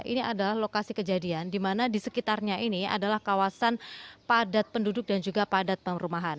ini adalah lokasi kejadian di mana di sekitarnya ini adalah kawasan padat penduduk dan juga padat bangun rumahan